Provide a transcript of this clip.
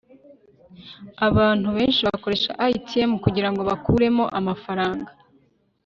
abantu benshi bakoresha atm kugirango bakuremo amafaranga